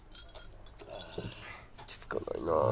落ち着かないなあ。